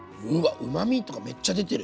うまみとかめっちゃ出てる。